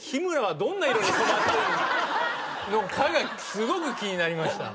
すごく気になりました。